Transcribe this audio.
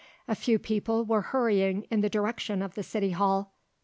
A few people were hurrying in the direction of the City Hall.